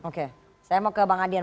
oke saya mau ke bang adian